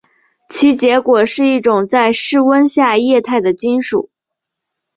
其结果是一种在室温下液态的金属。